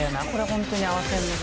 本当に合わせるの」